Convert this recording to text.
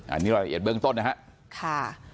อันนี้เราละเอียดเบิ่งต้นนะฮะ